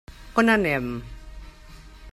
On anem?